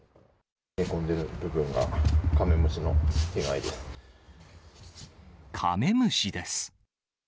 へこんでる部分がカメムシのカメムシです。